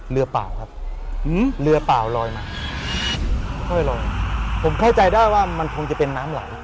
เปล่าครับเรือเปล่าลอยมาค่อยลอยผมเข้าใจได้ว่ามันคงจะเป็นน้ำไหล